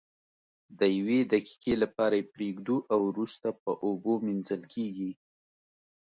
د یوې دقیقې لپاره یې پریږدو او وروسته په اوبو مینځل کیږي.